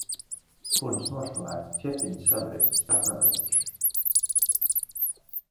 Purns nošmulēts, ķepiņas sabristas, kāds nabadziņš!